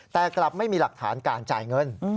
แต่กลับไม่มีหลักฐานการจ่ายเงิน